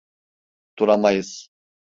Duramayız.